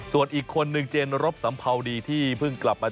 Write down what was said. ส่วนอีกคนหนึ่งเจนรอบสำเภาดีที่พึ่งกลับมา